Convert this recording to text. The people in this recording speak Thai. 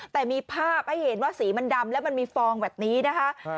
แต่มีภาพให้เห็นว่าสีมันดำแล้วมันมีฟองแบบนี้นะคะ